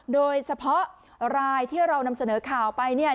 โดยเฉพาะรายที่เรานำเสนอข่าวไปเนี่ย